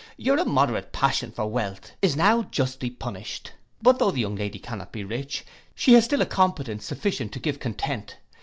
Your immoderate passion for wealth is now justly punished. But tho' the young lady cannot be rich, she has still a competence sufficient to give content.